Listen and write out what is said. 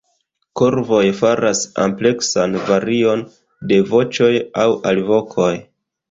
Korvoj faras ampleksan varion de voĉoj aŭ alvokoj.